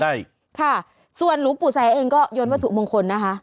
ใช่ค่ะส่วนหลวงปู่แสงเองก็ยนต์วัตถุมงคลนะคะ